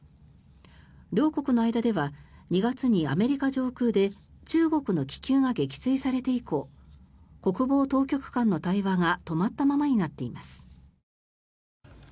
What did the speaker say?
両国の間では２月にアメリカ上空で中国の気球が撃墜されて以降国防当局間の対話が止まったままになっています。